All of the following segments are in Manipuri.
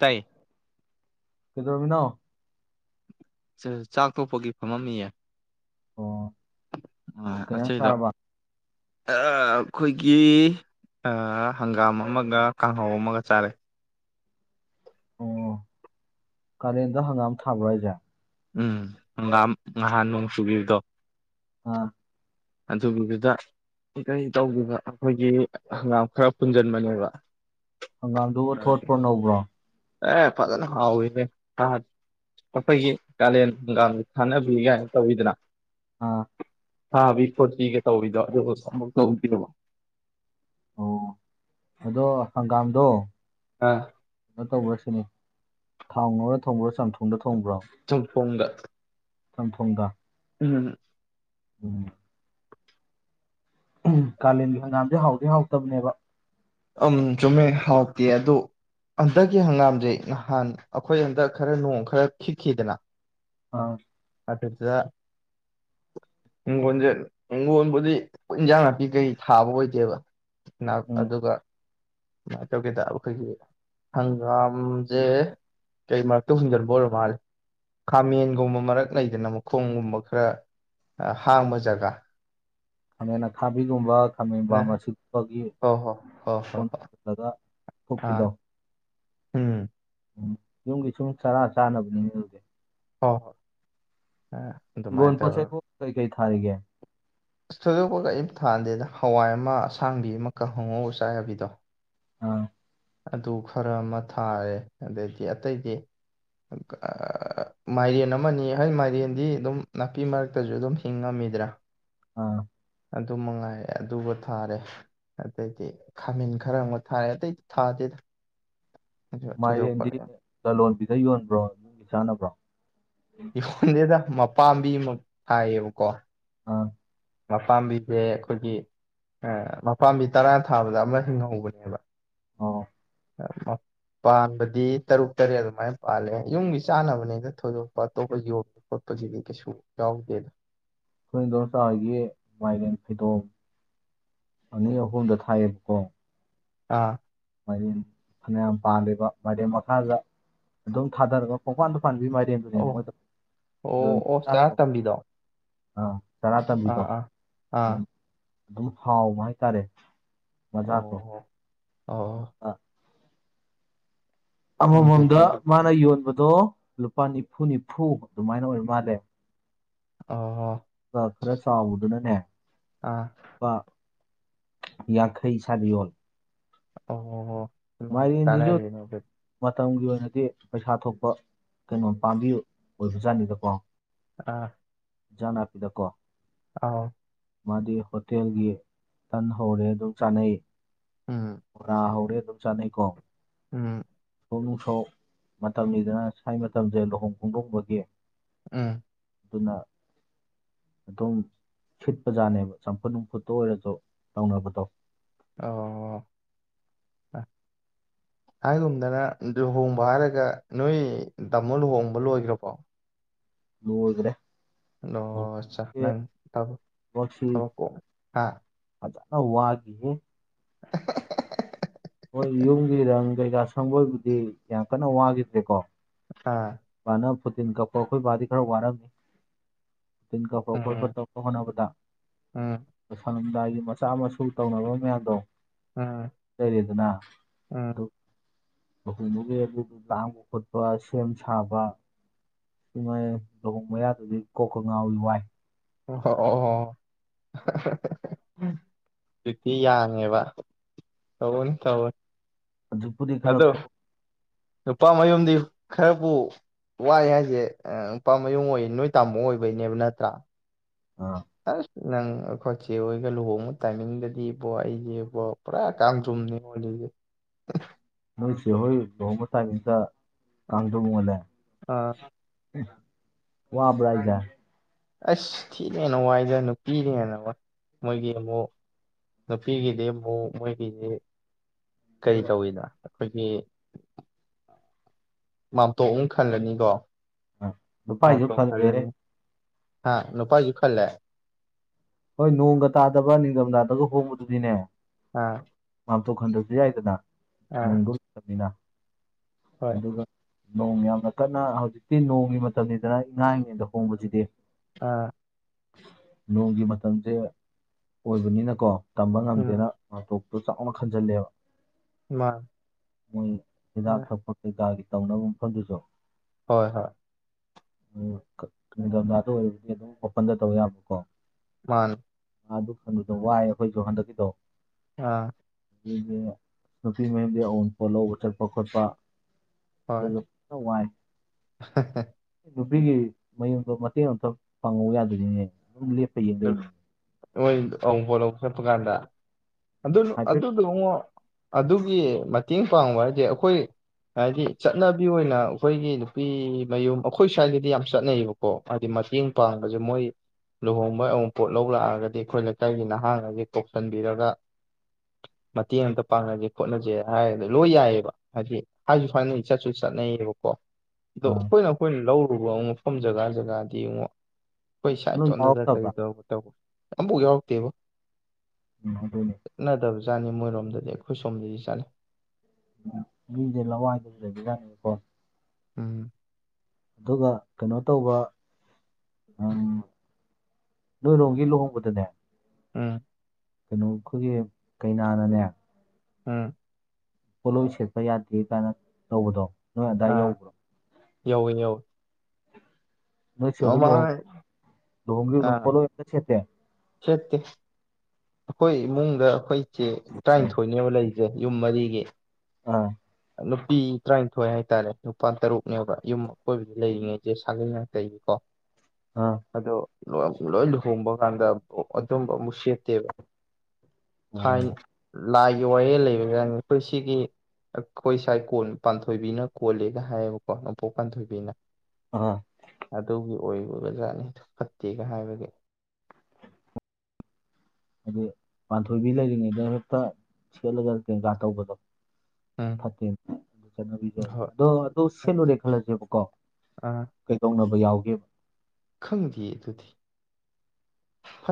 ꯇꯥꯏ ꯀꯩꯗꯧꯔꯝꯃꯤꯅꯣ ꯆꯥ ꯆꯥꯛ ꯇꯣꯛꯄꯒꯤ ꯐꯝꯃꯝꯃꯤꯌꯦ ꯑꯣ ꯑꯥ ꯀꯩ ꯏꯟꯖꯥꯡ ꯑꯁꯤꯗ ꯆꯥꯔꯕ ꯑꯥ ꯑꯈꯣꯏꯒꯤ ꯑꯥ ꯍꯪꯒꯥꯝ ꯑꯃꯒ ꯀꯥꯡꯍꯧ ꯑꯃꯒ ꯆꯥꯔꯦ ꯑꯣ ꯀꯥꯂꯦꯟꯗ ꯍꯪꯒꯥꯝ ꯊꯥꯕ꯭ꯔꯣ ꯍꯥꯏꯖꯦ ꯎꯝ ꯍꯪꯒꯥꯝ ꯉꯍꯥꯟ ꯅꯣꯡ ꯆꯨꯒꯤꯕꯗꯣ ꯑꯥ ꯑꯗꯨꯒꯤꯗꯨꯗ ꯀꯔꯤ ꯇꯧꯒꯤꯕ ꯑꯈꯣꯏꯒꯤ ꯍꯪꯒꯥꯝ ꯈꯔ ꯄꯨꯟꯖꯟꯕꯅꯦꯕꯥ ꯍꯪꯒꯥꯝꯗꯨꯕꯨ ꯊꯣꯠꯄ꯭ꯔꯣ ꯅꯧꯕ꯭ꯔꯣ ꯑꯦ ꯐꯖꯅ ꯍꯥꯎꯑꯦꯍꯦ ꯈꯥ ꯑꯈꯣꯏꯒꯤ ꯀꯥꯂꯦꯟ ꯍꯪꯒꯥꯝꯗꯤ ꯈꯥꯅꯕꯤ ꯒꯥꯏꯅ ꯇꯧꯋꯤꯗꯅꯥ ꯑꯥ ꯈꯥꯕꯤ ꯈꯣꯠꯄꯤꯒ ꯇꯧꯕꯤꯗꯣ ꯑꯗꯨꯒꯁꯨ ꯑꯝꯕꯣꯛ ꯇꯧꯗꯦꯕ ꯑꯣ ꯑꯗꯣ ꯍꯪꯒꯥꯝꯗꯣ ꯀꯅꯣ ꯇꯧꯕ꯭ꯔꯁꯤ ꯅꯤ ꯊꯥꯎ ꯉꯧꯔ ꯊꯣꯡꯕ꯭ꯔꯥ ꯆꯝꯊꯣꯡꯗ ꯊꯣꯡꯕ꯭ꯔꯣ ꯆꯝꯊꯣꯡꯗ ꯆꯝꯊꯣꯡꯗ ꯎꯝ ꯎꯝ ꯀꯥꯂꯦꯟꯒꯤ ꯍꯪꯒꯥꯝꯖꯦ ꯍꯥꯎꯇꯤ ꯍꯥꯎꯇꯕꯅꯦꯕꯥ ꯑꯝ ꯆꯨꯃꯦ ꯍꯥꯎꯇꯦ ꯑꯗꯨ ꯍꯟꯗꯛꯀꯤ ꯍꯪꯒꯥꯝꯖꯦ ꯉꯍꯥꯟ ꯑꯈꯣꯏ ꯍꯟꯗꯛ ꯈꯔ ꯅꯣꯡ ꯈꯔ ꯈꯤꯛꯈꯤꯗꯅꯥ ꯑꯥ ꯑꯗꯨꯗꯥ ꯍꯤꯡꯒꯣꯟꯖꯦ ꯍꯤꯡꯒꯣꯟꯕꯨꯗꯤ ꯏꯟꯖꯥꯡ ꯅꯥꯄꯤ ꯀꯩ ꯊꯥꯕ ꯑꯣꯏꯗꯦꯕ ꯅꯥ ꯎꯝ ꯑꯗꯨꯒ ꯀꯃꯥꯏ ꯇꯧꯒꯦꯗꯥ ꯑꯈꯣꯏꯒꯤ ꯍꯪꯒꯥꯝꯖꯦ ꯀꯩ ꯃꯔꯛꯇ ꯍꯨꯟꯖꯟꯕ ꯑꯣꯏꯔ ꯃꯥꯜꯂꯦ ꯈꯥꯃꯦꯟꯒꯨꯝꯕ ꯃꯔꯛ ꯂꯩꯗꯅ ꯃꯈꯣꯡꯒꯨꯝꯕ ꯈꯔ ꯍꯥꯡꯕ ꯖꯒꯥ ꯈꯥꯄꯦꯟ ꯑꯈꯥꯕꯤꯒꯨꯝꯕ ꯈꯥꯃꯦꯟ ꯅ ꯕꯥꯔ ꯃꯥꯁꯤꯀꯥꯒꯤ ꯍꯣ ꯍꯣ ꯍꯣ ꯍꯣ ꯃꯀꯣꯟ ꯍꯣ ꯍꯨꯜꯂꯒ ꯑꯥ ꯐꯨꯛꯄꯤꯗꯣ ꯎꯝ ꯎꯝ ꯌꯨꯝꯒꯤ ꯁꯨꯝ ꯆꯔꯥ ꯆꯥꯅꯕꯅꯤꯅꯦ ꯑꯗꯨꯗꯤ ꯍꯣ ꯍꯣꯏ ꯑꯗꯨꯃꯥꯏꯅ ꯍꯤꯡꯒꯣꯟ ꯇꯧꯔꯒ ꯄꯣꯠꯆꯩꯕꯨ ꯀꯩ ꯀꯩ ꯊꯥꯔꯤꯒꯦ ꯑꯁ ꯊꯣꯏꯗꯣꯛꯄ ꯀꯔꯤꯝ ꯊꯥꯗꯦꯗ ꯍꯋꯥꯏ ꯑꯃ ꯑꯁꯥꯡꯕꯤ ꯑꯃ ꯀꯥꯡꯍꯪ ꯉꯧꯔ ꯆꯥ ꯌꯥꯕꯤꯗꯣ ꯑꯥ ꯑꯗꯨ ꯈꯔ ꯑꯃ ꯊꯥꯔꯦ ꯑꯗꯩꯗꯤ ꯑꯇꯩꯗꯤ ꯑꯥ ꯃꯥꯏꯔꯦꯟ ꯑꯃꯅꯤ ꯍꯥꯏ ꯃꯥꯏꯔꯦꯟꯗꯤ ꯑꯗꯨꯝ ꯅꯥꯄꯤ ꯃꯔꯛꯇꯖꯨ ꯑꯗꯨꯝ ꯍꯤꯡ ꯉꯝ ꯃꯤꯗꯔꯥ ꯑꯥ ꯑꯗꯨ ꯃꯉꯥꯏꯔꯦ ꯑꯗꯨꯒ ꯊꯥꯔꯦ ꯑꯇꯩꯗꯤ ꯈꯥꯃꯦꯟ ꯈꯔ ꯑꯝꯒ ꯊꯥꯔꯦ ꯑꯇꯩꯗꯤ ꯊꯥꯗꯦꯗ ꯑꯗꯨ ꯊꯣꯏꯗꯣꯛꯄ ꯃꯥꯏꯔꯦꯟꯗꯤ ꯌꯥꯝ ꯂꯂꯣꯟꯕꯤꯗ ꯌꯣꯟꯕ꯭ꯔꯣ ꯏꯃꯨꯡꯒꯤ ꯆꯥꯅꯕ꯭ꯔꯣ ꯌꯣꯟꯗꯦꯗꯥ ꯃꯄꯥꯝꯕꯤ ꯑꯃ ꯊꯥꯏꯌꯦꯕꯀꯣ ꯑꯥ ꯃꯄꯥꯝꯕꯤꯖꯦ ꯑꯈꯣꯏꯒꯤ ꯑꯥ ꯃꯄꯥꯝꯕꯤ ꯇꯔꯥ ꯊꯥꯕꯗ ꯑꯃ ꯍꯤꯡꯍꯧꯕꯅꯦꯕꯥ ꯑꯣ ꯑꯥ ꯃ ꯄꯥꯟꯕꯗꯤ ꯇꯔꯨꯛ ꯇꯔꯦꯠ ꯑꯗꯨꯃꯥꯏꯅ ꯄꯥꯜꯂꯦ ꯌꯨꯝꯒꯤ ꯆꯥꯅꯕꯅꯤꯅ ꯊꯣꯏꯗꯣꯛꯄ ꯑꯇꯣꯞꯄ ꯌꯣꯟꯕ ꯈꯣꯠꯄ ꯍꯧꯖꯤꯛꯇꯤ ꯀꯩꯁꯨ ꯌꯥꯎꯗꯦꯗ ꯑꯩꯈꯣꯢ ꯏꯗꯣꯝꯆꯥꯍꯣꯢꯒꯤ ꯃꯥꯏꯔꯦꯟ ꯐꯩꯗꯣꯝ ꯑꯅꯤ ꯑꯍꯨꯝꯗ ꯊꯥꯏꯋꯦꯕꯀꯣ ꯑꯥ ꯃꯥꯢꯔꯦꯟ ꯐꯅꯌꯥꯝ ꯄꯥꯜꯂꯦꯕ ꯃꯥꯏꯔꯦꯟ ꯃꯈꯥꯗ ꯑꯗꯨꯝ ꯊꯥꯗꯔꯒ ꯄꯨꯡꯄꯥꯟꯗ ꯄꯥꯟꯕꯤ ꯃꯥꯢꯔꯦꯟꯗꯨꯅꯦꯕ ꯑꯣ ꯃꯣꯢꯗꯣ ꯑꯣ ꯑꯣ ꯆꯥꯔ ꯇꯝꯕꯤꯗꯣ [unintelligible] ꯑꯥ ꯆꯔꯥ ꯑꯥ ꯇꯝꯕꯤꯗꯣ ꯑꯥ ꯑꯥ ꯑꯗꯨꯝ ꯑꯗꯨꯝ ꯍꯥꯎꯕ ꯍꯥꯏꯇꯥꯔꯦ ꯑꯣ ꯑ ꯑꯃꯃꯝꯗ ꯑꯗꯨꯗꯤ ꯃꯥꯅ ꯌꯣꯟꯕ ꯗꯣ ꯂꯨꯄꯥ ꯅꯤꯐꯨ ꯅꯤꯐꯨ ꯑꯗꯨꯃꯥꯏꯅ ꯑꯣꯏ ꯃꯥꯜꯂꯦ ꯑꯥ ꯈꯔ ꯆꯥꯎꯕꯗꯨꯅꯅꯦ ꯑꯥ ꯂꯨꯄꯥ ꯌꯥꯡꯈꯩ ꯁꯥꯢꯗ ꯌꯣꯜ ꯑꯣ ꯐꯅꯥꯝ ꯀꯥꯅꯔꯦꯅꯦ ꯗꯨꯗꯤ ꯃꯇꯝꯒꯤ ꯑꯣꯏꯅꯗꯤ ꯄꯩꯁꯥ ꯊꯣꯛꯄ ꯀꯩꯅꯣ ꯄꯥꯝꯕꯤ ꯑꯣꯏꯕꯖꯥꯠꯅꯤꯗꯀꯣ ꯑꯥ ꯍꯤꯖꯥꯡ ꯅꯥꯄꯤꯗꯀꯣ ꯑꯧ ꯃꯥꯗꯤ ꯍꯣꯇꯦꯜꯒꯤ ꯇꯟ ꯍꯧꯔꯦ ꯑꯗꯨꯝ ꯆꯥꯅꯩ ꯎꯝ ꯕꯣꯔꯥ ꯍꯧꯔꯦ ꯆꯥꯅꯩꯀꯣ ꯎꯝ ꯄꯣꯛ ꯅꯨꯡꯁꯣꯛ ꯃꯇꯝꯅꯤꯗꯅ ꯁ꯭ꯋꯥꯏ ꯃꯇꯝꯁꯦ ꯂꯨꯍꯣꯡ ꯈꯣꯡꯗꯣꯡꯕꯒꯤ ꯎꯝ ꯑꯗꯨꯅ ꯑꯗꯨꯝ ꯁꯤꯠꯄꯖꯥꯠꯅꯦꯕ ꯆꯝꯐꯨꯠ ꯅꯨꯡꯐꯨꯠꯇ ꯑꯣꯏꯔꯁꯨ ꯇꯧꯅꯕꯗꯣ ꯑꯣ ꯑ ꯍꯥꯢꯒꯨꯝꯗꯅ ꯂꯨꯍꯣꯡꯕ ꯍꯥꯏꯔꯒ ꯅꯣꯏ ꯇꯥꯃꯣ ꯂꯨꯍꯣꯡꯕ ꯂꯣꯏꯒ꯭ꯔꯕꯣ ꯂꯣꯢꯒꯔꯦ ꯗꯣ ꯑꯠꯆꯥ ꯅꯪ ꯊꯕꯛ ꯊꯕꯛ ꯀꯣꯝ ꯍꯥ ꯈꯔ ꯋꯥꯠꯂꯤꯍꯦ [unintelligible] ꯍꯣꯏ ꯌꯨꯝꯒꯤ ꯔꯪ ꯀꯩꯀꯥ ꯁꯪꯕꯕꯨꯗꯤ ꯌꯥꯝ ꯀꯟꯅ ꯋꯥꯒꯤꯗ꯭ꯔꯦꯀꯣ ꯑꯥ ꯐꯨꯇꯤꯟ ꯀꯛꯄ ꯑꯩꯈꯣꯏ ꯕꯥꯗꯤ ꯈꯔ ꯋꯥꯔꯝꯃꯤ ꯐꯨꯇꯤꯟ ꯀꯛꯄ ꯈꯣꯠꯄ ꯇꯧꯅꯕ ꯍꯣꯅꯕꯗ ꯂꯥꯏꯒꯤ ꯃꯆꯥ ꯃꯁꯨ ꯇꯧꯅꯕ ꯃꯌꯥꯝꯗꯣ ꯑ ꯗꯨꯅ ꯗꯨ ꯃꯈꯨꯝꯗꯨꯒꯤ ꯑꯗꯨꯗꯨ ꯂꯥꯡꯕ ꯈꯣꯠꯄ ꯁꯦꯝ ꯁꯥꯕ ꯏꯃꯥꯢ ꯂꯨꯍꯣꯡ ꯃꯌꯥꯗꯨꯗꯤ ꯀꯣꯛꯀ ꯉꯥꯎꯏ ꯋꯥꯏ ꯑꯣ ꯑꯣ ꯑꯣ ꯗ꯭ꯌꯨꯇꯤ ꯌꯥꯡꯉꯦꯕ ꯇꯧꯒꯅꯤ ꯇꯧꯒꯅꯤ ꯍꯧꯖꯤꯛꯄꯨꯗꯤ ꯈꯔ ꯀꯣꯝ ꯅꯨꯄꯥ ꯃꯌꯨꯝꯗꯤ ꯈꯔꯕꯨ ꯋꯥꯢ ꯍꯥꯏꯖꯦ ꯅꯨꯄꯥ ꯃꯌꯨꯡ ꯑꯣꯏ ꯅꯣꯏ ꯇꯥꯃꯣ ꯑꯣꯏꯕꯩꯅꯦꯕ ꯅꯠꯇ꯭ꯔꯥ ꯑꯁ ꯅꯪ ꯑꯩꯈꯣꯏꯆꯦ ꯍꯣꯢꯒ ꯂꯨꯍꯣꯡꯕ ꯇꯥꯏꯃꯤꯡꯗꯗꯤꯕꯣ ꯑꯩꯁꯦꯕꯣ ꯄꯨꯔꯥ ꯀꯥꯡꯗ꯭ꯔꯨꯝ ꯅꯦ ꯑꯣꯜꯂꯤꯖꯦ ꯅꯣꯢ ꯆꯦ ꯍꯣꯏ ꯂꯨꯍꯣꯡꯕ ꯇꯥꯢꯃꯤꯡꯗ ꯀꯥꯡꯗ꯭ꯔꯨꯝ ꯑꯣꯜꯂꯦ ꯋꯥꯕ꯭ꯔꯥ ꯍꯥꯢꯖꯦ ꯑꯁ ꯊꯤꯅ ꯍꯦꯟꯅ ꯋꯥꯏꯗ ꯅꯨꯄꯤꯅ ꯍꯦꯟꯅ ꯋꯥꯏ ꯃꯣꯏꯒꯤ ꯑꯃꯨꯛ ꯅꯨꯄꯤꯒꯤꯗꯤ ꯑꯃꯨꯛ ꯃꯣꯏꯒꯤꯗꯤ ꯀꯔꯤ ꯀꯧꯏꯅꯣ ꯑꯩꯈꯣꯏꯒꯤ ꯃꯥꯝꯇꯣꯞ ꯑꯃꯨꯛ ꯈꯜꯂꯅꯤꯀꯣ ꯅꯨꯄꯥꯒꯤꯁꯨ ꯃꯥꯝꯇꯣꯞ ꯈꯜꯂꯦꯍꯦ ꯈꯜꯂꯅꯤ ꯍꯥ ꯅꯄꯥꯢꯖꯨ ꯈꯜꯂꯦ ꯍꯣꯏ ꯅꯣꯡꯒ ꯇꯥꯗꯕ ꯅꯤꯡꯙꯝꯙꯥꯗꯒ ꯍꯣꯡꯕꯗꯨꯗꯤꯅꯦ ꯑꯥ ꯃꯥꯝꯇꯣꯞ ꯈꯟꯗ꯭ꯔꯁꯨ ꯌꯥꯏꯗꯅ ꯑꯥ ꯅꯣꯡꯗꯣ ꯆꯨꯗꯕꯅꯤꯅ ꯍꯣꯏ ꯑꯗꯨꯒ ꯅꯣꯡ ꯌꯥꯝꯅ ꯀꯟꯅ ꯍꯧꯖꯤꯛꯇꯤ ꯅꯣꯡꯒꯤ ꯃꯇꯝꯅꯤꯗꯅ ꯏꯉꯥ ꯢꯉꯦꯟꯗ ꯍꯣꯡꯕꯁꯤꯗꯤ ꯑꯥ ꯅꯣꯡꯒꯤ ꯃꯇꯝꯖꯦ ꯑꯣꯏꯕꯅꯤꯅꯀꯣ ꯇꯝꯕ ꯎꯝ ꯉꯝꯗꯦꯅ ꯃꯥꯝꯇꯣꯞ ꯆꯥꯎꯅ ꯈꯟꯖꯜꯂꯦꯕ ꯃꯥꯅꯤ ꯃꯣꯏ ꯍꯤꯗꯥꯛ ꯑꯥ ꯊꯛꯄ ꯀꯩꯀꯥꯒꯤ ꯇꯧꯅꯕ ꯃꯐꯝꯗꯨꯁꯨ ꯍꯣꯏ ꯍꯣꯏ ꯎꯝ ꯈ ꯅꯤꯡꯗꯝꯙꯥꯗ ꯑꯣꯏꯔꯗꯤ ꯑꯗꯨꯝ ꯑꯣꯄꯟꯗ ꯇꯧ ꯌꯥꯕꯀꯣ ꯃꯥꯅꯤ ꯃꯥ ꯑꯗꯨ ꯈꯟꯕꯗꯣ ꯋꯥꯏ ꯑꯩꯈꯣꯏꯁꯨ ꯍꯟꯗꯛꯀꯤꯗꯣ ꯑꯥ ꯑꯗꯨꯗꯤ ꯅꯨꯄꯤ ꯃꯌꯨꯝꯗꯩ ꯑꯎꯟꯄꯣꯠ ꯂꯧꯕ ꯆꯠꯄ ꯈꯣꯠꯄ ꯑꯗꯨꯖꯨ ꯐꯖꯟ ꯋꯥꯏ ꯍꯥ ꯍꯥ ꯅꯨꯄꯤꯒꯤ ꯃꯌꯨꯝꯗꯣ ꯃꯇꯦꯡ ꯑꯝꯇ ꯄꯥꯡꯉꯎ ꯌꯥꯗ꯭ꯔꯤꯅꯤꯅꯦ ꯑꯗꯨꯝ ꯂꯦꯞ ꯅꯣꯏ ꯑꯎꯟꯄꯣꯠ ꯂꯧꯕ ꯆꯠꯄ ꯀꯥꯟꯗ ꯑꯗꯨ ꯍꯥꯏꯐꯦꯠ ꯑꯗꯨꯗꯨꯉꯣ ꯑꯗꯨꯒꯤ ꯃꯇꯦꯡ ꯄꯥꯡꯕ ꯍꯥꯏꯁꯦ ꯑꯩꯈꯣꯏ ꯍꯥꯏꯗꯤ ꯆꯠꯅꯕꯤ ꯑꯣꯏꯅ ꯑꯩꯈꯣꯏꯒꯤ ꯅꯨꯄꯤ ꯃꯌꯨꯝ ꯑꯩꯈꯣꯏ ꯁ꯭ꯋꯥꯢꯗꯗꯤ ꯌꯥꯝ ꯆꯠꯅꯩꯌꯦꯕꯀꯣ ꯍꯥꯏꯗꯤ ꯃꯇꯦꯡ ꯄꯥꯡꯕꯁꯦ ꯃꯣꯏ ꯂꯨꯍꯣꯡ ꯃꯣꯏ ꯑꯋꯨꯡꯄꯣꯠ ꯂꯧ ꯂꯥꯛꯑꯒꯗꯤ ꯑꯩꯈꯣꯏ ꯂꯩꯀꯥꯏꯒꯤ ꯅꯍꯥꯉꯩꯁꯦ ꯀꯧꯁꯟꯕꯤꯔꯒ ꯃꯇꯦꯡ ꯑꯝꯇ ꯄꯥꯡꯍꯟꯁꯦ ꯈꯣꯠꯍꯟꯁꯦ ꯍꯥꯏꯔꯒ ꯂꯣꯏ ꯌꯥꯏꯌꯦꯕ ꯍꯥꯏꯗꯤ ꯍꯥꯏꯁꯨ ꯍꯥꯏꯅꯩ ꯆꯠꯁꯨ ꯆꯠꯅꯩꯌꯦꯕꯀꯣ ꯑꯗꯣ ꯑꯥ ꯑꯩꯈꯣꯏꯅ ꯑꯩꯈꯣꯏꯅ ꯂꯧꯔꯨꯕ ꯃꯐꯝ ꯖꯒꯥ ꯖꯒꯥꯗꯤ ꯑꯃꯨꯛ ꯑꯩꯈꯣꯏ ꯏꯁꯥ ꯅꯣꯏ ꯢꯇꯣꯟꯗꯅꯦ ꯀꯔꯤ ꯌꯥꯎꯔꯛꯇꯕ꯭ꯔꯥ ꯇꯧꯕ ꯇꯧꯕ ꯑꯝꯐꯥꯎ ꯌꯥꯎꯔꯛꯇꯦꯕꯣ ꯎꯝ ꯑꯗꯨꯅꯦ ꯆꯥꯅꯤ ꯃꯣꯏꯔꯣꯝꯗꯗꯤ ꯑꯩꯈꯣꯏ ꯁꯣꯝꯗꯗꯤ ꯆꯠꯅꯩ ꯎꯝ ꯃꯤꯁꯦ ꯂꯋꯥꯏꯗꯖꯨ ꯂꯩꯕ ꯖꯥꯠꯅꯤꯅꯦꯀꯣ ꯎꯝ ꯑꯗꯨꯒ ꯀꯩꯅꯣ ꯇꯧꯕ ꯑꯪ ꯅꯣꯏ ꯔꯣꯝꯒꯤ ꯂꯨꯍꯣꯡꯕꯗꯅꯦ ꯎꯝ ꯀꯩꯅꯣ ꯑꯩꯈꯣꯏꯒꯤ ꯀꯩꯅꯥꯅꯅꯦ ꯎꯝ ꯄꯣꯠꯂꯣꯏ ꯁꯦꯠꯄ ꯌꯥꯗꯦ ꯀꯥꯏꯅ ꯇꯧꯕꯗꯣ ꯅꯣꯏ ꯑꯗꯥꯏ ꯑꯥ ꯌꯧꯕ꯭ꯔꯣ ꯌꯧꯋꯦ ꯌꯧꯋꯦ ꯅꯣꯏ ꯆꯦ ꯍꯣꯢ ꯂꯨꯍꯣꯡ ꯃꯃꯥꯡ ꯂꯨꯍꯣꯡꯈꯤꯕꯗꯣ ꯑꯥ ꯄꯣꯂꯣꯢ ꯑꯝꯇ ꯁꯦꯠꯇꯦ ꯁꯦꯠꯇꯦ ꯑꯩꯈꯣꯏ ꯏꯃꯨꯡꯗ ꯑꯩꯈꯣꯏ ꯆꯦ ꯇ꯭ꯔꯥꯢꯟꯊꯣꯏꯅꯦꯕ ꯂꯩꯔꯤꯖꯦ ꯌꯨꯝ ꯃꯔꯤꯒꯤ ꯑꯥ ꯅꯨꯄꯤ ꯇ꯭ꯔꯥꯢꯟꯊꯣꯏ ꯍꯥꯏꯇꯥꯔꯦ ꯅꯨꯄꯥ ꯇꯔꯨꯛꯅꯦꯕ ꯌꯨꯝ ꯑꯀꯣꯏꯕꯗ ꯂꯩꯔꯤꯉꯩꯁꯦ ꯁꯥꯒꯩ ꯅꯥꯇꯩ ꯀꯣ ꯑꯥ ꯑꯗꯨ ꯂꯣ ꯂꯣꯏ ꯂꯨꯍꯣꯡꯕ ꯀꯥꯟꯗ ꯑꯣ ꯑꯗꯨꯝꯕ ꯑꯝꯕꯧ ꯁꯦꯠꯇꯦꯕ ꯊꯥꯏ ꯑꯣ ꯂꯥꯏꯒꯤ ꯋꯥꯌꯦꯜ ꯂꯩꯕ ꯖꯥꯠꯅꯤ ꯑꯩꯈꯣꯏ ꯁꯤꯒꯤ ꯑ ꯑꯩꯈꯣꯏ ꯁꯥꯏ ꯀꯣꯟ ꯄꯥꯟꯊꯣꯏꯕꯤꯅ ꯀꯣꯜꯂꯦꯒ ꯍꯥꯏꯌꯦꯕꯀꯣ ꯅꯣꯡꯄꯣꯛ ꯄꯥꯟꯊꯣꯏꯕꯤꯅ ꯑꯥ ꯑꯗꯨꯒꯤ ꯑꯣꯏꯕ ꯖꯥꯠꯅꯤꯗ ꯐꯠꯇꯦꯒ ꯍꯥꯏꯕꯒꯤ ꯍꯥꯏꯗꯤ ꯄꯥꯟꯊꯣꯏꯕꯤ ꯂꯩꯔꯤꯉꯩꯗ ꯍꯦꯛꯇ ꯁꯦꯠꯂꯒ ꯀꯩꯀꯥ ꯇꯧꯕꯗꯣ ꯎꯝ ꯐꯠꯇꯦ ꯑꯗꯨ ꯆꯠꯅꯕꯤꯖꯅꯦ ꯍꯣꯏ ꯑꯗꯣ ꯑꯗꯨ ꯁꯦꯠꯂꯨꯔꯦ ꯈꯜꯂꯁꯦꯕꯀꯣ ꯀꯩꯗꯧꯅꯕ ꯌꯥꯎꯒꯦꯕ ꯈꯪ ꯗꯤꯌꯦ ꯑꯗꯨꯗꯤ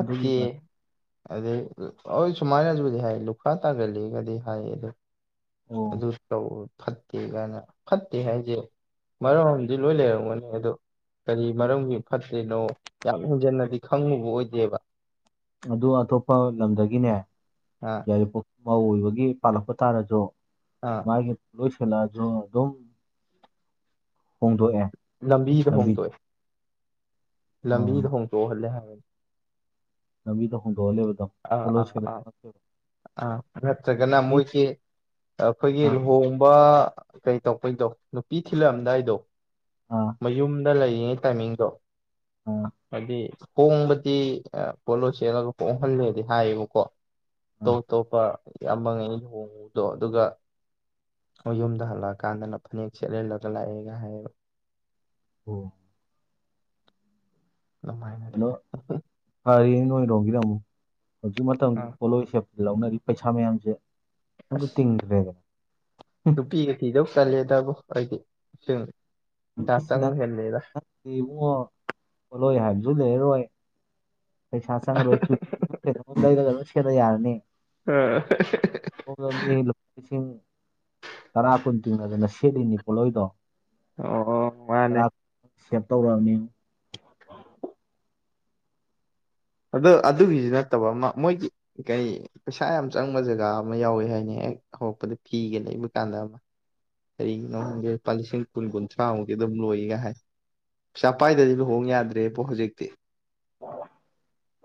ꯑꯗꯨꯒꯤ ꯃ- ꯑꯗꯩ ꯍꯣꯏ ꯁꯨꯃꯥꯏꯅꯖꯨꯗꯤ ꯍꯥꯏ ꯂꯨꯈ꯭ꯔꯥ ꯇꯥꯒꯜꯂꯤꯒꯥꯗꯤ ꯍꯥꯏ ꯑꯗꯨ ꯑꯣ ꯑꯗꯨꯁꯨ ꯇꯧ ꯐꯠꯇꯦ ꯀꯥꯏꯅ ꯐꯠꯇꯦ ꯍꯥꯏꯖꯦ ꯃꯔꯝꯑꯃꯗꯤ ꯂꯣꯏ ꯂꯩꯔꯝꯒꯅꯤ ꯑꯗꯣ ꯀꯔꯤ ꯃꯔꯝꯒꯤ ꯐꯠꯇ꯭ꯔꯤꯅꯣ ꯌꯥꯝ ꯍꯦꯟꯖꯤꯟꯅꯗꯤ ꯈꯪꯉꯨꯕ ꯑꯣꯏꯗꯦꯕ ꯑꯗꯨ ꯑꯇꯣꯞꯄ ꯂꯝꯗꯒꯤꯅꯦ ꯑꯥ ꯌꯥꯢꯔꯤꯄꯣꯛ ꯄꯥꯎ ꯑꯣꯏꯕꯒꯤ ꯄꯥꯜꯂꯛꯄ ꯇꯥꯔꯖꯨ ꯑꯥ ꯃꯥꯒꯤ ꯂꯣꯢ ꯁꯨꯅꯖꯨ ꯑꯗꯨꯝ ꯍꯣꯡꯗꯣꯛꯑꯦ ꯂꯝꯕꯤꯗ ꯂꯝꯕꯤ ꯍꯣꯡꯗꯣꯛꯑꯦ ꯑꯥ ꯂꯝꯕꯤꯗ ꯍꯣꯡꯗꯣꯛꯍꯜꯂꯦ ꯍꯥꯏꯕꯅ ꯂꯝꯕꯤꯗ ꯍꯣꯡ ꯑꯥ ꯑꯥ ꯑꯥ ꯑ ꯅꯠꯇ꯭ꯔꯒꯅ ꯃꯣꯏꯒꯤ ꯑꯩꯈꯣꯏꯒꯤ ꯑꯥ ꯂꯨꯍꯣꯡꯕ ꯀꯩ ꯇꯧ ꯕꯩ ꯇꯣ ꯅꯨꯄꯤ ꯊꯤꯜꯂꯛꯑꯝꯗꯥꯏꯗꯣ ꯑꯥ ꯃꯌꯨꯝ ꯗ ꯂꯩꯔꯤꯉꯩ ꯇꯥꯏꯃꯤꯡꯗꯣ ꯑꯥ ꯍꯥꯏꯗꯤ ꯍꯣꯡꯕꯗꯤ ꯄꯣꯠꯂꯣꯢ ꯁꯦꯠꯂꯒ ꯍꯣꯡꯍꯜꯂꯦꯗꯤ ꯍꯥꯏꯌꯦꯕꯀꯣ ꯑꯇꯣꯞ ꯑꯥ ꯑꯇꯣꯞꯄ ꯑꯃꯉꯩ ꯂꯨꯍꯣꯡꯕꯗꯣ ꯑꯗꯨꯒ ꯈꯣꯏ ꯌꯨꯝꯗ ꯍꯜꯂꯛꯑꯀꯥꯟꯗꯅ ꯐꯅꯦꯛ ꯁꯦꯠꯍꯜꯂꯒ ꯂꯥꯛꯑꯦꯒ ꯍꯥꯏꯌꯦꯕ ꯑꯣ ꯑꯗꯨꯃꯥꯏꯅꯗꯤ ꯀꯩꯅꯣ ꯐꯔꯦꯅꯦ ꯅꯣꯏꯔꯣꯝꯒꯤꯅ ꯑꯃꯨꯛ ꯍꯧꯖꯤꯛ ꯃꯇꯝꯒꯤ ꯑ ꯄꯣꯠꯂꯣꯏ ꯁꯦꯞ ꯂꯧꯅꯔꯤꯕ ꯄꯩꯁꯥ ꯃꯌꯥꯝꯁꯦ ꯑꯝꯇ ꯑꯁ ꯇꯤꯡꯗ꯭ꯔꯦꯗꯅ ꯇꯜꯂꯦꯗꯕꯣ ꯑꯩꯗꯤ ꯑꯁꯦꯡꯕ ꯏꯁ ꯅꯠꯇꯦ ꯏꯕꯨꯡꯉꯣ ꯄꯣꯠꯂꯣꯢ ꯍꯥꯢꯕꯖꯨ ꯂꯩꯔꯔꯣꯢ ꯄꯩꯁꯥ ꯆꯪꯉꯔꯣꯢ [unintelligible] ꯀꯩꯅꯣꯝꯃ ꯂꯩꯔꯒ ꯁꯤꯖꯤꯟꯅ ꯌꯥꯔꯅꯤ [unintelligible] ꯂꯤꯁꯤꯡ ꯇꯔꯥ ꯀꯨꯟ ꯇꯤꯡꯅꯗꯅ ꯁꯦꯠꯂꯤꯅꯤ ꯄꯣꯂꯣꯏ ꯗꯣ ꯑꯣ ꯍꯣ ꯃꯥꯟꯅꯦ ꯁꯦꯞ ꯇꯧꯔꯛꯑꯕꯅꯦ ꯑꯗꯣ ꯑꯗꯨꯒꯤꯁꯨ ꯅꯠꯇꯕ ꯑꯃ ꯃꯣꯏꯒꯤ ꯀꯔꯤ ꯄꯩꯁꯥ ꯌꯥꯝ ꯆꯪꯕ ꯖꯒꯥ ꯑꯃ ꯌꯥꯎꯋꯦ ꯍꯥꯏꯅꯦ ꯍꯦꯛ ꯍꯧꯔꯛꯄꯗ ꯐꯤꯒ ꯂꯩꯕ ꯀꯥꯟꯗ ꯑꯃ ꯀꯔꯤꯒꯤꯅꯣ ꯈꯪꯗꯦ ꯂꯨꯄꯥ ꯂꯤꯁꯤꯡ ꯀꯨꯟ ꯀꯨꯟꯊ꯭ꯔꯥꯃꯨꯛꯇꯤ ꯑꯗꯨꯝ ꯂꯣꯏ ꯑꯦ ꯀ ꯍꯥꯏ ꯄꯩꯁꯥ ꯄꯥꯢꯗꯗꯤ ꯂꯨꯍꯣꯡ ꯌꯥꯗ꯭ꯔꯦꯕꯣ ꯍꯧꯖꯤꯛꯇꯤ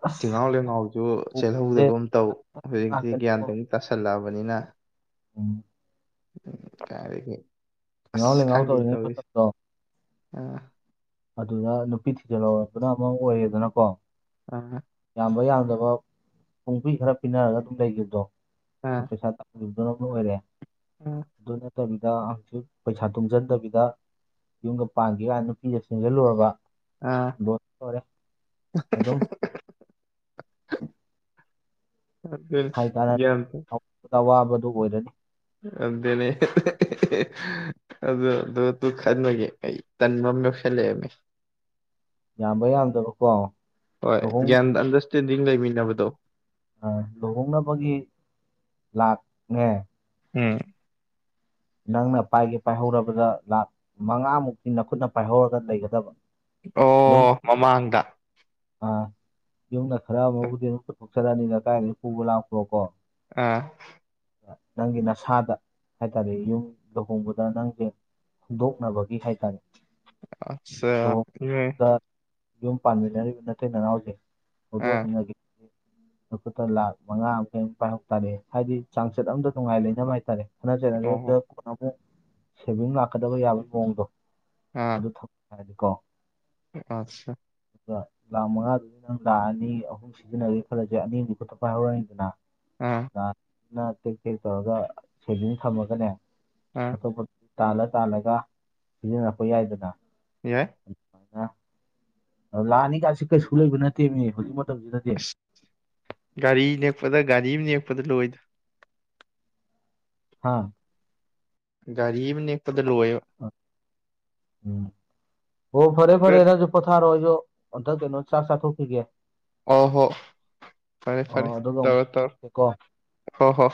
ꯑꯁ ꯊꯤꯉꯥꯎ ꯂꯩꯉꯥꯎꯖꯨ ꯆꯦꯜꯍꯧꯗꯒꯨꯝ ꯇꯧ ꯍꯧꯖꯤꯛꯇꯤ ꯒ꯭ꯌꯥꯟ ꯉꯥꯛꯇꯅꯤꯀꯣ ꯑꯃꯨꯛ ꯇꯥꯁꯜꯂꯛꯑ ꯕꯅꯤꯅ ꯀꯥꯢꯗꯒꯤ ꯊꯤꯉꯥꯎ ꯂꯩꯉꯥꯎ ꯇꯧꯔꯤꯉꯩ ꯃꯇꯝꯗꯣ ꯑ ꯑꯗꯨꯗ ꯅꯨꯄꯤ ꯊꯤꯖꯤꯜꯍꯧꯔꯕꯅ ꯑꯃ ꯑꯣꯏꯔꯦꯗꯅꯀꯣ ꯑ ꯌꯥꯝꯕ ꯌꯥꯝ ꯗꯕ ꯄꯨꯡꯄꯤ ꯈꯔ ꯄꯤꯅꯔꯒ ꯑꯗꯨꯝ ꯂꯩꯈꯤꯕꯗꯣ ꯄꯩꯁꯥ ꯆꯪꯗ ꯗꯨꯅ ꯂꯣꯏꯔꯦ ꯎꯝ ꯅꯠꯇꯕꯤꯗ ꯍꯧꯖꯤꯛ ꯄꯩꯁꯥ ꯇꯨꯡꯖꯟꯗꯕꯤꯗ ꯌꯨꯝꯒ ꯄꯥꯟꯒꯦ ꯀꯥꯏꯅ ꯅꯨꯄꯤꯒ ꯆꯦꯟꯖꯜꯂꯨꯔꯕ ꯑꯥ ꯑꯗꯨꯝ [inaudible] ꯑꯗꯨꯅꯤ ꯍꯥꯏ ꯀꯥꯟꯅꯗ꯭ꯔꯦ ꯒ꯭ꯌꯥꯟ ꯑꯋꯥꯕꯗ ꯑꯋꯥꯕꯗꯨ ꯑꯣꯏꯔꯅꯤ [unintelligible] ꯑꯗꯨ ꯗꯨ ꯗꯨ ꯈꯟꯕꯒꯤ ꯑꯩ ꯇꯟꯕ ꯌꯧꯁꯜꯂꯛꯑꯦꯃꯤ ꯌꯥꯝꯕ ꯌꯥꯝꯗꯕꯀꯣ ꯍꯣꯏ ꯒ꯭ꯌꯥꯟ ꯑꯟꯗ꯭ꯔꯁꯇꯦꯟꯗꯤꯡ ꯂꯩꯃꯤꯟꯅꯕꯗꯣ ꯑ ꯂꯨꯍꯣꯡꯅꯕꯒꯤ ꯂꯥꯛꯅꯦ ꯎꯝ ꯅꯪꯅ ꯄꯥꯏꯒꯦ ꯄꯥꯏꯍꯧꯔꯕꯗ ꯂꯥꯛ ꯃꯉꯥꯃꯨꯛꯇꯤ ꯅꯈꯨꯠꯅ ꯄꯥꯏꯍꯧꯔꯒ ꯂꯩꯒꯗꯕ ꯑꯣ ꯃꯃꯥꯡꯗ ꯑꯥ ꯌꯨꯝꯅ ꯈꯔ ꯑꯃꯕꯨꯗꯤ ꯑꯗꯨꯝ ꯄꯨꯊꯣꯛꯆꯔꯑꯅꯤꯅ ꯀꯥꯏꯗꯩ ꯄꯨꯕ ꯂꯥꯛꯄ꯭ꯔꯣ ꯀꯣ ꯑꯥ ꯅꯪꯒꯤ ꯅꯁꯥꯗ ꯍꯥꯏ ꯑꯗꯩ ꯌꯨꯝ ꯂꯨꯍꯣꯡꯕꯗ ꯅꯪꯖꯦ ꯍꯧꯗꯣꯛꯅꯕꯒꯤ ꯍꯥꯏꯇꯥꯔꯦ ꯑꯆꯥ ꯂꯨꯍꯣꯡ ꯏꯃꯥꯏ ꯃꯇꯨꯡꯗ ꯌꯨꯝ ꯄꯥꯟꯃꯤꯟꯅꯔꯤꯕ ꯅꯇꯩ ꯅꯅꯥꯎꯖꯦ ꯑꯥ ꯍꯧꯗꯣꯛꯃꯤꯟꯅꯒꯤ ꯅꯈꯨꯠꯇ ꯂꯥꯛ ꯃꯉꯥ ꯑꯝ ꯀꯩꯃ ꯄꯥꯏꯍꯧ ꯇꯥꯔꯦ ꯍꯥꯏꯗꯤ ꯆꯥꯡꯆꯠ ꯑꯃꯗ ꯅꯨꯡꯉꯥꯏ ꯂꯩꯅꯕ ꯍꯥꯏꯇꯥꯔꯦ ꯑꯣ ꯗꯨꯗ ꯀꯅꯣ ꯃꯨꯛ ꯁꯦꯚꯤꯡ ꯂꯥꯛꯀꯗꯕ ꯌꯥꯕꯩ ꯃꯑꯣꯡꯗꯣ ꯑꯗꯨ ꯊꯝ ꯀꯣ ꯑꯠꯁꯥ ꯗꯨꯒ ꯂꯥꯛ ꯃꯉꯥꯗꯨꯗꯩ ꯅꯪ ꯂꯥꯛ ꯑꯅꯤ ꯑꯍꯨꯝ ꯁꯤꯖꯤꯟꯅꯒꯦ ꯈꯜꯂꯖꯨ ꯌꯥꯏ ꯑꯅꯤ ꯑꯝꯗꯤ ꯈꯨꯠꯇ ꯄꯥꯏ ꯍꯧꯔꯅꯤꯗꯅꯥ ꯑꯝ ꯅꯪꯅ ꯇꯦꯛ ꯇꯦꯛ ꯇꯧꯔꯒ ꯁꯦꯚꯤꯡ ꯊꯝꯃꯒꯅꯦ ꯑꯥ ꯑꯇꯣꯞꯄ ꯇꯥꯜꯂ ꯇꯥꯜꯂꯒ ꯁꯤꯖꯤꯟꯅꯔꯛꯄ ꯌꯥꯏꯗꯅꯥ ꯌꯥꯏ ꯂꯥꯛ ꯑꯅꯤ ꯀꯁꯤ ꯀꯩꯁꯨ ꯂꯩꯕ ꯅꯠꯇꯦꯃꯤ ꯍꯧꯖꯤꯛ ꯃ ꯑꯁ ꯒꯥꯔꯤ ꯅꯦꯛꯄꯗ ꯒꯥꯔꯤ ꯑꯝ ꯅꯦꯛꯄꯗ ꯂꯣꯏꯗ ꯍꯥꯥ ꯒꯥꯔꯤ ꯑꯝ ꯅꯦꯛꯄꯗ ꯂꯣꯏꯑꯦꯕ ꯎꯝ ꯍꯣ ꯐꯔꯦ ꯐꯔꯦ ꯅꯪꯖꯨ ꯄꯣꯊꯥꯔꯣ ꯑꯩꯖꯨ ꯑꯝꯇ ꯀꯩꯅꯣ ꯆꯥꯛ ꯆꯥꯊꯣꯛꯈꯤꯒꯦ ꯑꯣ ꯍꯣ ꯐꯔꯦ ꯑꯣ ꯐꯔꯦ ꯑꯗꯨꯒ ꯇꯧꯔꯣ ꯑꯃꯨꯛ ꯇꯧꯔꯣ ꯀꯣ ꯍꯣ ꯍꯣ